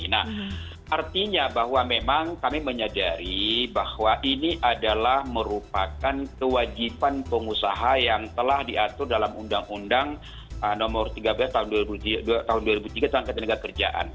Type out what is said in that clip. nah artinya bahwa memang kami menyadari bahwa ini adalah merupakan kewajiban pengusaha yang telah diatur dalam undang undang nomor tiga belas tahun dua ribu tiga tentang ketenagakerjaan